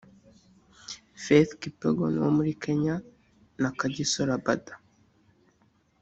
Faith Kipyegon wo muri Kenya na Kagiso Rabada